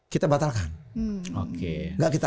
kita batalkan gak kita